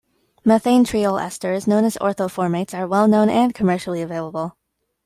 Methanetriol esters, known as orthoformates, are well known and commercially available.